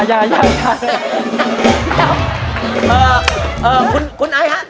เออคุณอายท่านคุณไอคร่ะ